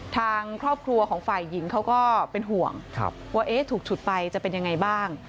ทางครอบครัวของฝ่ายหญิงเขาก็เป็นห่วงว่าถูกฉุดไปจะเป็นยังไงบ้าง